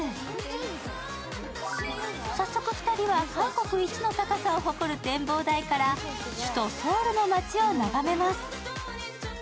早速２人は、韓国一の高さを誇る展望台から首都ソウルの街を眺めます。